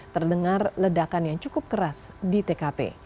terdengar ledakan yang cukup keras di tkp